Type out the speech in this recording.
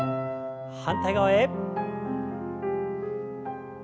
反対側へ。